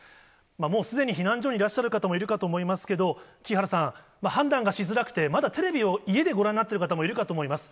もうすでに避難所にいらっしゃる方もいるかと思いますけれども、木原さん、判断がしづらくて、まだテレビを家でご覧になっている方もいるかと思います。